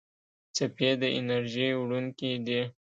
څپې د انرژۍ وړونکي دي.